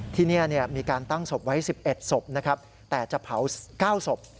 ที่นี่มีการตั้งศพไว้๑๑ศพนะครับแต่จะเผา๙ศพ